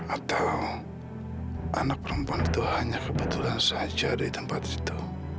atau anak perempuan itu hanya kebetulan saja di tempat itu